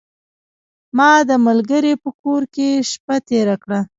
ما د ملګري په کور کې شپه تیره کړه .